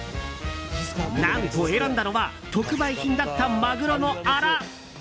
何と、選んだのは特売品だったマグロのアラ。